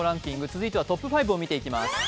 続いてはトップ５を見ていきます。